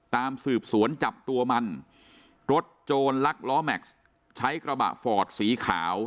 ตามสืบสวนจับตัวมันรถโจรลักล้อแม็กซ์ใช้กระบะฟอร์ดสีขาว